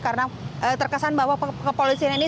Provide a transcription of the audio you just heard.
karena terkesan bahwa kepolisian ini